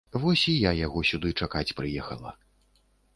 Вось і я яго сюды чакаць прыехала.